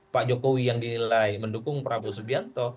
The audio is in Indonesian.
pak jokowi yang dinilai mendukung prabowo subianto